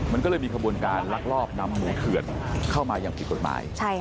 มันก็เลยมีขบวนการลักลอบนำหมูเถื่อนเข้ามาอย่างผิดกฎหมาย